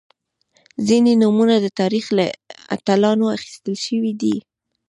• ځینې نومونه د تاریخ له اتلانو اخیستل شوي دي.